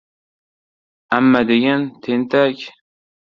amma degin, tentak! •